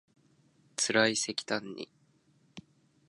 つらいせきたんに